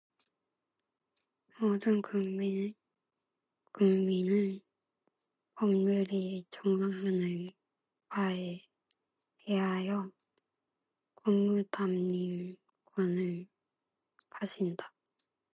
모든 국민은 법률이 정하는 바에 의하여 공무담임권을 가진다.